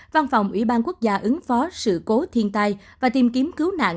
văn phòng ủy ban quốc gia ứng phó sự cố thiên tai và tìm kiếm cứu nạn